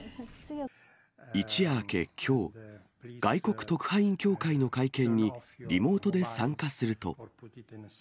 一夜明けきょう、外国特派員協会の会見にリモートで参加すると。